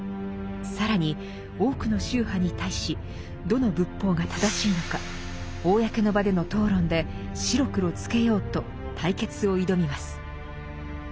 更に多くの宗派に対しどの仏法が正しいのか公の場での討論で白黒つけようと対決を挑みます。